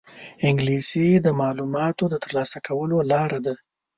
انګلیسي د معلوماتو د ترلاسه کولو لاره ده